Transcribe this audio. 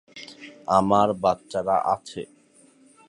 আমার বাচ্চারা আছে।